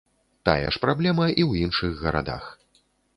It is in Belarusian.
Тая ж праблема і ў іншых гарадах.